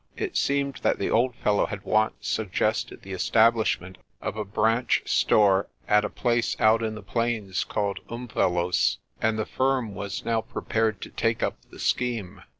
It seemed that the old fellow had once suggested the estab lishment of a branch store at a place out in the plains called Umvelos', and the firm was now prepared to take up the scheme.